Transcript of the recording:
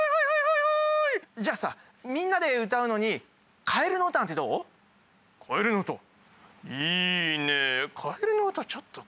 じゃあさみんなで歌うのにかえるのうたなんてどう？